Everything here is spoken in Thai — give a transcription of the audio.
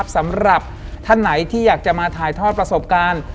สำหรับท่านไหนที่อยากจะมาถ่ายทอดประสบการณ์